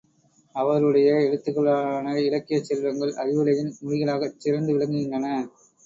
அவருடைய எழுத்துக்களாலான இலக்கியச் செல்வங்கள் அறிவுலகின் முடிகளாகச் சிறந்து விளங்குகின்றன.